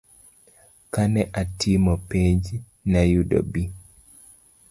Kane atimo penj, nayudo B.